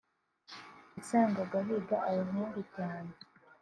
wasangaga higa abahungu cyane